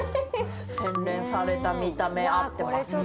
洗練された見た目合ってます。